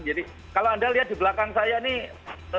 jadi kalau anda lihat di belakang saya nih